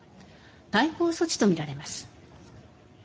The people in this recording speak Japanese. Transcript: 対抗措置とみられます。